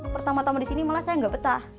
pertama tama disini malah saya nggak betah